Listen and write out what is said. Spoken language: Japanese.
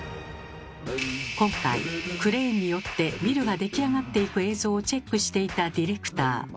今回クレーンによってビルが出来上がっていく映像をチェックしていたディレクター。